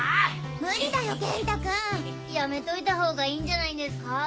無理だよ元太くん。やめといたほうがいいんじゃないですか？